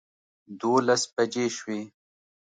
دولس بجې شوې.